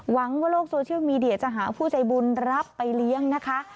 หวังว่าโลกโซเชียลมีเดียจะหาผู้ใจบุญรับไปเลี้ยงนะคะ